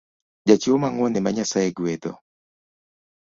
Jachiwo mang’uon ema Nyasaye gwedho